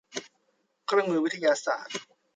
เครื่องมือวิทยาศาสตร์